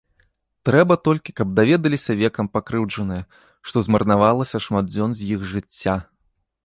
Трэба толькі, каб даведаліся векам пакрыўджаныя, што змарнавалася шмат дзён з іх жыцця.